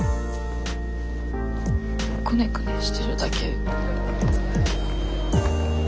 くねくねしてるだけ。